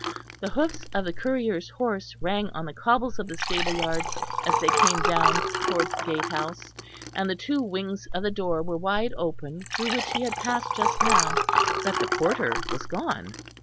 The hoofs of the courier's horse rang on the cobbles of the stable yard as they came down towards the gatehouse, and the two wings of the door were wide open through which he had passed just now; but the porter was gone.